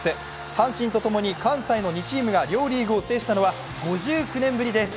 阪神とともに関西の２チームが両リーグを制したのは５９年ぶりです。